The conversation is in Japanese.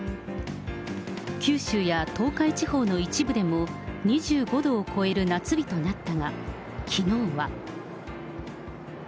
九州や東海地方の一部でも、２５度を超える夏日となったが、きのうは。